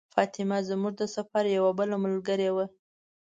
فاطمه زموږ د سفر یوه بله ملګرې وه.